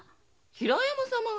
「平山様」が？